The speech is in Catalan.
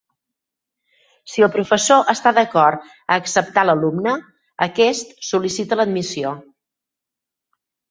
Si el professor està d'acord a acceptar a l'alumne, aquest sol·licita l'admissió.